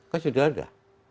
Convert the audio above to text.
kan sudah ada